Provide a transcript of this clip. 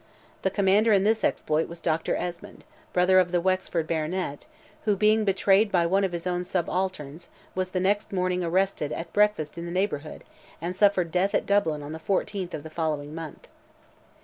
The commander in this exploit was Dr. Esmonde, brother of the Wexford baronet, who, being betrayed by one of his own subalterns, was the next morning arrested at breakfast in the neighbourhood, and suffered death at Dublin on the 14th of the following month.